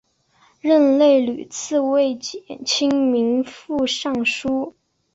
任内屡次为减轻民负上疏。